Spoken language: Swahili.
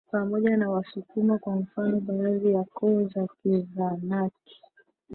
pamoja na Wasukuma kwa mfano baadhi ya koo za Kizanaki